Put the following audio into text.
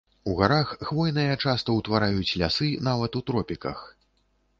У гарах хвойныя часта ўтвараюць лясы нават у тропіках.